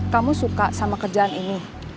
kamu suka sama kerjaan ini